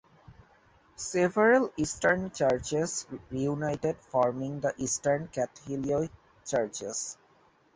Several eastern churches reunited, forming the Eastern Catholic Churches.